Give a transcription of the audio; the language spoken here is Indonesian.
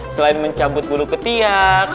selain mencabut bulu ketiak